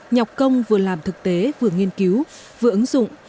nhọc công vừa làm thực tế vừa nghiên cứu vừa ứng dụng